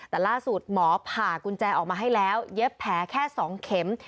แต่ล่าสุดหมอผ่ากุญแจออกมาให้แล้วเย็บแผลแค่๒เข็ม